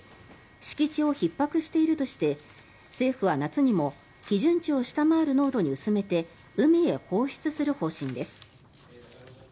敷地をひっ迫しているとして政府は夏にも基準値を下回る濃度に薄めて海へ放出する方針です。